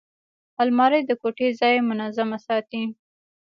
الماري د کوټې ځای منظمه ساتي